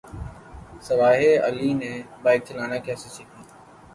سوہائے علی نے بائیک چلانا کیسے سیکھی